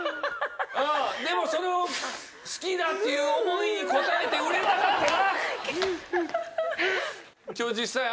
でもその好きだっていう思いに応えて売れたかったな。